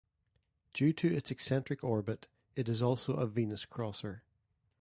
Due to its eccentric orbit, it is also a Venus-crosser.